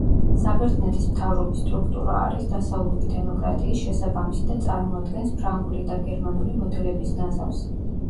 საბერძნეთის მთავრობის სტრუქტურა არის დასავლური დემოკრატიის შესაბამისი და წარმოადგენს ფრანგული და გერმანული მოდელების ნაზავს.